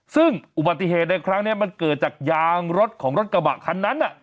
ซึ่งอุบัติเหตุในครั้งนี้มันเกิดจากยางรถของรถกระบะคันนั้น